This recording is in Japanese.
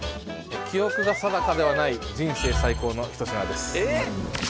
記憶が定かではない人生最高の一品ですえっ？